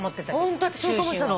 ホント私もそう思ってたの。